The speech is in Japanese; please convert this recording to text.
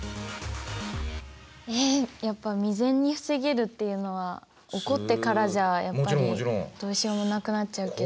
えやっぱ未然に防げるっていうのは起こってからじゃやっぱりどうしようもなくなっちゃうけど。